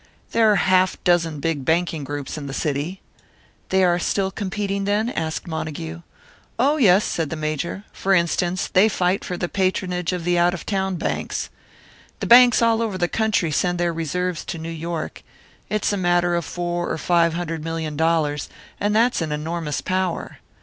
There are a half dozen big banking groups in the city " "They are still competing, then?" asked Montague. "Oh, yes," said the Major. "For instance, they fight for the patronage of the out of town banks. The banks all over the country send their reserves to New York; it's a matter of four or five hundred million dollars, and that's an enormous power.